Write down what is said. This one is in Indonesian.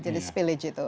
jadi spillage itu